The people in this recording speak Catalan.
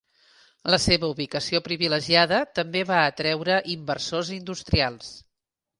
La seva ubicació privilegiada també va atreure inversors industrials.